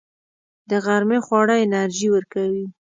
د غرمې خواړه انرژي ورکوي